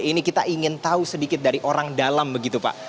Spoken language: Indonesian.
ini kita ingin tahu sedikit dari orang dalam begitu pak